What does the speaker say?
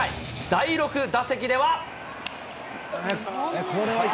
第６打席では。